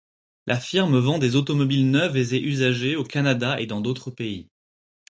La firme vend des automobiles neuves et usagées au Canada et dans d'autres pays.